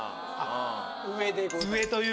上でございます。